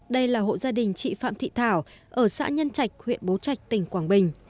đây là hộ gia đình chị phạm thị thảo ở xã nhân trạch huyện bố trạch tỉnh quảng bình